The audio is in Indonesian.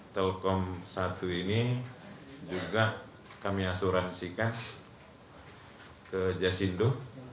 telkom satu ini juga kami asuransikan ke jasindo